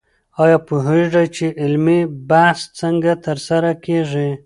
آیا پوهېږئ چې علمي بحث څنګه ترسره کېږي؟